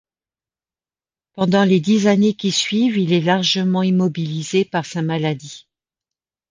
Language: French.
Pendant les dix années qui suivent, il est largement immobilisé par sa maladie.